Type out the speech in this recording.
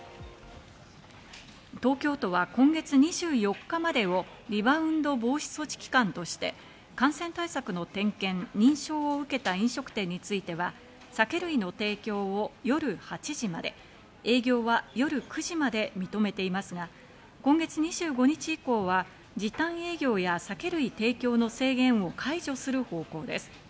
東京都は今月２４日までをリバウンド防止措置期間として感染対策の点検、認証を受けた飲食店については酒類の提供を夜８時まで、営業は夜９時まで認めていますが、今月２５日以降は時短営業や酒類提供の制限を解除する方向です。